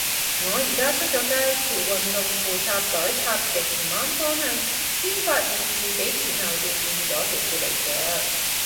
我而家出咗街，條運動褲插袋插極唔啱方向，先發現自己前後掉轉咗條褲嚟着